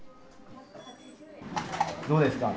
どうですか？